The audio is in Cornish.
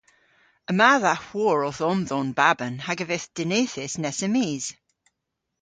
Yma dha hwor owth omdhon baban hag a vydh dinythys nessa mis.